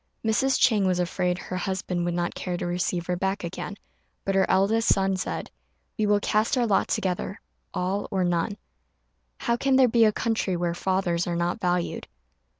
Mrs. Chang was afraid her husband would not care to receive her back again; but her eldest son said, "We will cast our lot together; all or none. How can there be a country where fathers are not valued?"